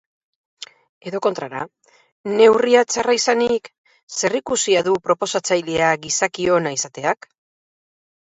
Edo kontrara, neurria txarra izanik, zerikusia du proposatzailea gizaki ona izateak?